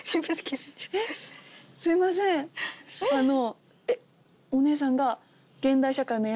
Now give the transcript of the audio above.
すいませんあの。